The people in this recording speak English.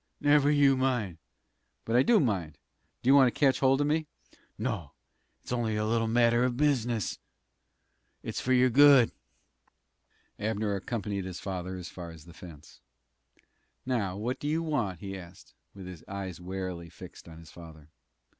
"Never you mind." "But I do mind. Do you want to catch hold of me?" "No; it's only a little matter of business. It's for your good." Abner accompanied his father as far as the fence. "Now, what do you want?" he asked, with his eyes warily fixed on his father.